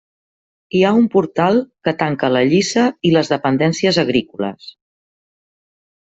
Hi ha un portal que tanca la lliça i les dependències agrícoles.